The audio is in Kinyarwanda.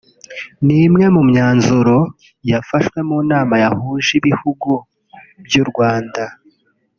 ni umwe mu myanzuro yafashwe mu nama yahuje ibihugu by’u Rwanda